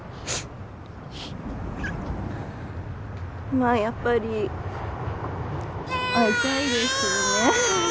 まあやっぱり会いたいですけどね。